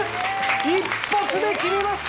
一発で決めました！